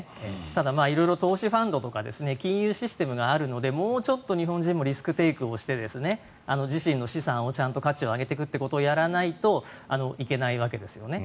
ただ色々投資ファンドとか金融システムがあるのでもうちょっと日本人もリスクテイクをして自身の資産の価値を上げていくということをやらないといけないわけですよね。